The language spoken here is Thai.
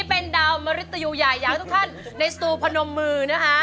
เป็นดาวมริตยูใหญ่อยากให้ทุกท่านในสตูพนมมือนะคะ